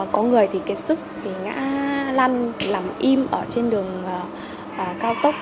có người thì cái sức thì ngã lăn làm im ở trên đường cao tốc